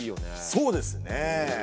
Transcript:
そうですねえ。